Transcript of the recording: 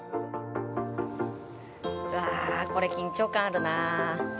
わあ、これ緊張感あるな。